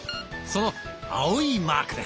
その青いマークです。